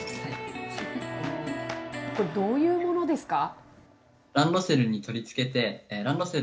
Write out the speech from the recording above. これ、どういうものですか。